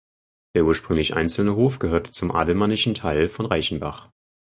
Der ursprünglich einzelne Hof gehörte zum Adelmannischen Teil von Reichenbach.